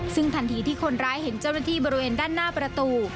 ซึ่งทันทีที่คนร้ายเห็นเจ้าหน้าที่บริเวณด้านหน้าประตู